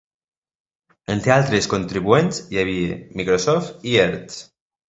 Entre altres contribuents hi havia Microsoft i Hertz.